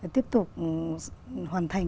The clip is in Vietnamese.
tiếp tục hoàn thành